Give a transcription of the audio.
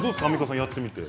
やってみて。